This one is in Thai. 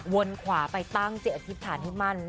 วนกว่าไปตั้งเจียดอธิบถ่าที่มั่น